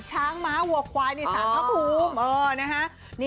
ช้างม้าวัวควายในสารพระภูมิ